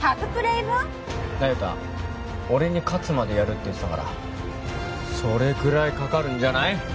那由他俺に勝つまでやるって言ってたからそれくらいかかるんじゃない？